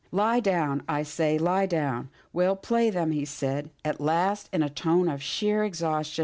Lie down, I say — lie down — Well, play then," he said, at last, in a tone of sheer ex haustion.